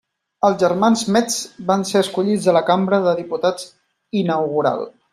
Els germans Metz van ser escollits a la Cambra de Diputats inaugural.